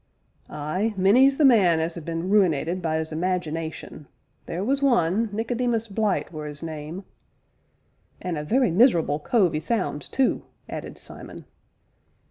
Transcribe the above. "Ay many's the man as 'as been ruinated by 'is imagination theer was one, Nicodemus Blyte were 'is name " "And a very miserable cove 'e sounds, too!" added Simon.